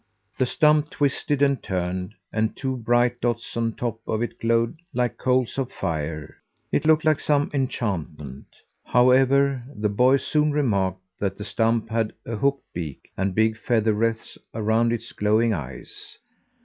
The stump twisted and turned, and two bright dots on top of it glowed like coals of fire. It looked like some enchantment. However, the boy soon remarked that the stump had a hooked beak and big feather wreaths around its glowing eyes.